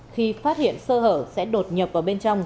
khi phát hiện sơ hở sẽ đột nhập vào bên trong